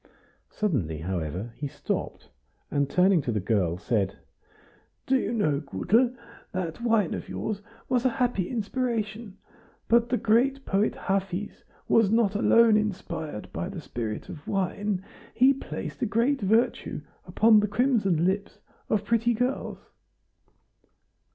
Suddenly, however, he stopped, and turning to the girl, said: "Do you know, Gutel, that wine of yours was a happy inspiration, but the great poet Hafiz was not alone inspired by the spirit of wine, he placed a great virtue upon the crimson lips of pretty girls."